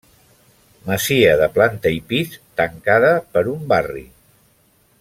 Masia de planta i pis, tancada per un barri.